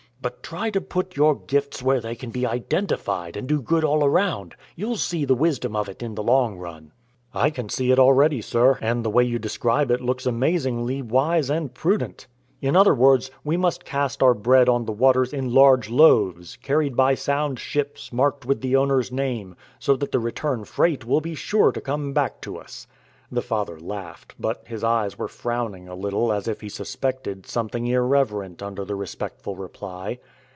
But try to put your gifts where they can be identified and do good all around. You'll see the wisdom of it in the long run." "I can see it already, sir, and the way you describe it looks amazingly wise and prudent. In other words, we must cast our bread on the waters in large loaves, carried by sound ships marked with the owner's name, so that the return freight will be sure to come back to us." The father laughed, but his eyes were frowning a little as if he suspected something irreverent under the respectful reply.